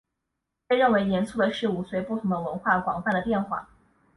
被认为严肃的事物随不同的文化广泛地变化。